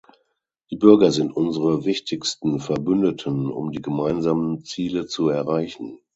Die Bürger sind unsere wichtigsten Verbündeten, um die gemeinsamen Ziele zu erreichen.